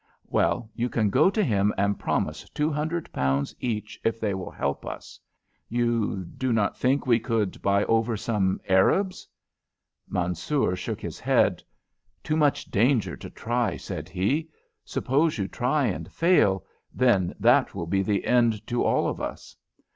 "Well, you can go to him and promise two hundred pounds each if they will help us. You do not think we could buy over some Arabs?" Mansoor shook his head. "Too much danger to try," said he. "Suppose you try and fail, then that will be the end to all of us.